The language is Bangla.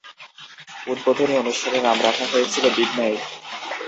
উদ্বোধনী অনুষ্ঠানের নাম রাখা হয়েছিল বিগ নাইট।